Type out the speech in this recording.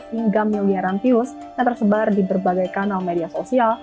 hingga miliaran views yang tersebar di berbagai kanal media sosial